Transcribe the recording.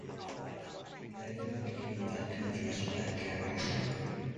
It later became that country's flag carrier.